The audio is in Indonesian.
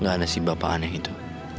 gak ada si bapak aneh itu